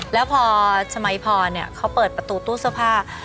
แล้วพอสมัยพรเขาเปิดประตูตู้เสื้อผ้า